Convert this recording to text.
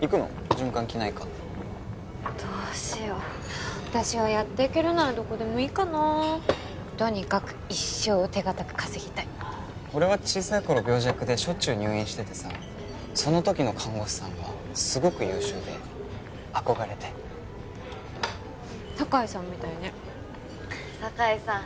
循環器内科どうしよう私はやっていけるならどこでもいいかなとにかく一生手堅く稼ぎたい俺は小さい頃病弱でしょっちゅう入院しててさそのときの看護師さんがすごく優秀で憧れて酒井さんみたいね酒井さん